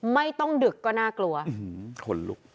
ไม่ต้องดึกก็น่ากลัวทนลุก